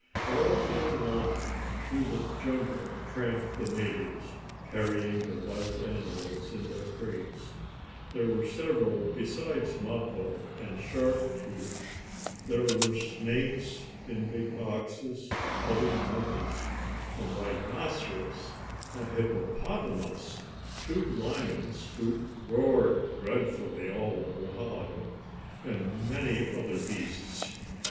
All day long through the jungle tramped the natives, carrying the wild animals in their crates. There were several besides Mappo and Sharp Tooth. There were snakes, in big boxes, other monkeys, a rhinoceros, a hippopotamus, two lions, who roared dreadfully all the while, and many other beasts.